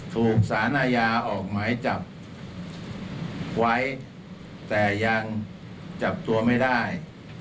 ถูกสารอาญาออกหมายจับไว้แต่ยังจับตัวไม่ได้